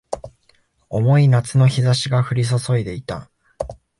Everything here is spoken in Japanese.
重い夏の日差しが降り注いでいた